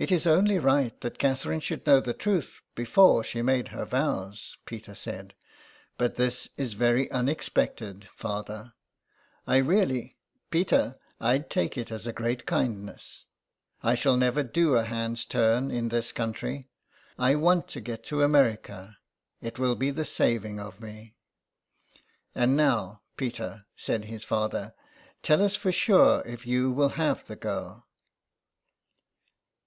" It is only right that Catherine should know the truth before she made her vows," Peter said. " But this is very unexpected, father. I really "" Peter, I'd take it as a great kindness. I shall never do a hand's turn in this country. I want to get to America. It will be the saving of me." *^ And now, Peter," said his father, ''tell us for sure if you will have the girl